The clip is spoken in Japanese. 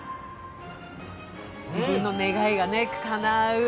自分の願いがかなう。